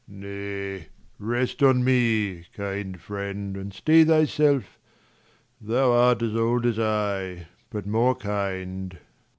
Leir. Nay, rest on me, kind friend, and stay thyself, Thou art as old as I, but more kind.